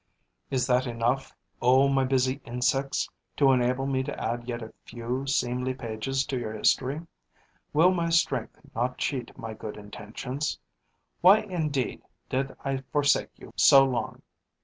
Is that enough, O my busy insects, to enable me to add yet a few seemly pages to your history? Will my strength not cheat my good intentions? Why, indeed, did I forsake you so long?